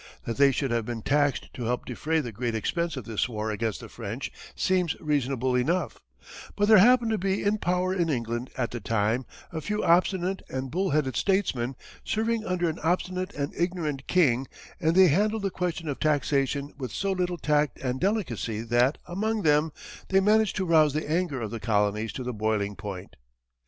That they should have been taxed to help defray the great expense of this war against the French seems reasonable enough, but there happened to be in power in England, at the time, a few obstinate and bull headed statesmen, serving under an obstinate and ignorant king, and they handled the question of taxation with so little tact and delicacy that, among them, they managed to rouse the anger of the colonies to the boiling point.